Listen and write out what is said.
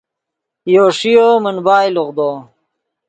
یو ݰیو من بائے لوغدو